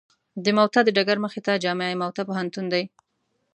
د موته د ډګر مخې ته جامعه موته پوهنتون دی.